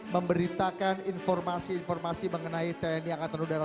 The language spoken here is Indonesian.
memberitakan informasi informasi mengenai tni angkatan udara